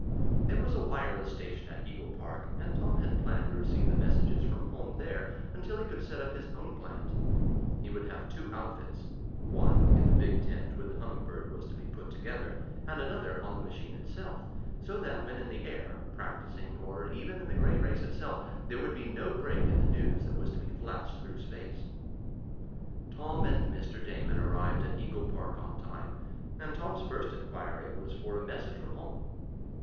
There was a wireless station at Eagle Park, and Tom had planned to receive the messages from home there until he could set up his own plant. He would have two outfits. One in the big tent where the Humming Bird was to be put together, and another on the machine itself, so that when in the air, practicing, or even in the great race itself, there would be no break in the news that was to be flashed through space. Tom and Mr. Damon arrived at Eagle Park on time, and Tom's first inquiry was for a message from home.